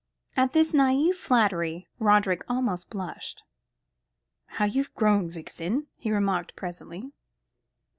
At this naïve flattery, Roderick almost blushed. "How you've grown. Vixen," he remarked presently.